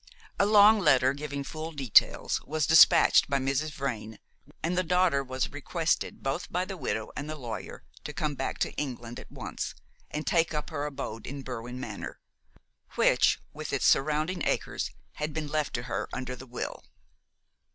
A long letter, giving full details, was despatched by Mrs. Vrain, and the daughter was requested, both by the widow and the lawyer, to come back to England at once and take up her abode in Berwin Manor, which, with its surrounding acres, had been left to her under the will.